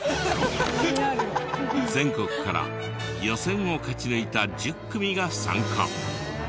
全国から予選を勝ち抜いた１０組が参加。